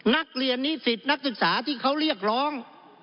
นักเรียนนิสิตนักศึกษาที่เขาเรียกร้อง